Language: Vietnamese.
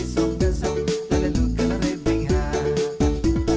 tôi nghĩ đó sẽ là một cơ hội tốt